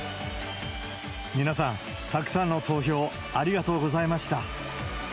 皆さん、たくさんの投票、ありがとうございました！